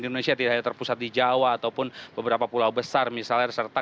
indonesia tidak hanya terpusat di jawa ataupun beberapa pulau besar misalnya serta